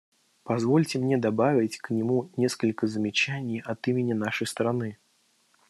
Позвольте мне добавить к нему несколько замечаний от имени нашей страны.